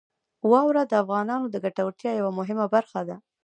واوره د افغانانو د ګټورتیا یوه مهمه برخه ده.